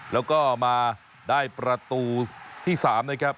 แล้วก็มาได้ประตูที่๓นะครับ